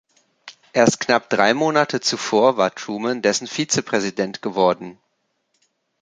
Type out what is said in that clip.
Erst knapp drei Monate zuvor war Truman dessen Vizepräsident geworden.